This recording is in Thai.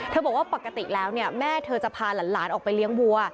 บอกว่าปกติแล้วเนี่ยแม่เธอจะพาหลานออกไปเลี้ยงวัว